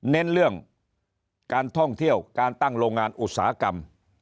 เน้นเรื่องการท่องเที่ยวการตั้งโรงงานอุตสาหกรรม